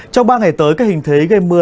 trong ba ngày tới các hình thế gây mưa